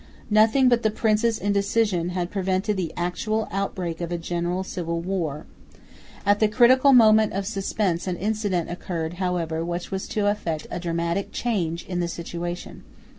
Nothing but the prince's indecision had prevented the actual outbreak of a general civil war. At the critical moment of suspense an incident occurred, however, which was to effect a dramatic change in the situation.